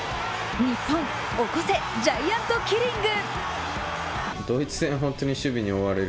日本、起こせ、ジャイアントキリング。